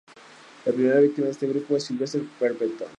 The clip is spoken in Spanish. La primera víctima de este grupo es Sylvester Pemberton.